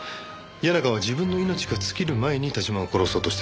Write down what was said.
谷中は自分の命が尽きる前に田島を殺そうとしてる。